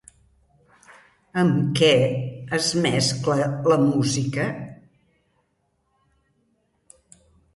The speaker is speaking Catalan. Amb què es mescla la música?